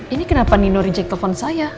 ini kenapa nino reject telepon saya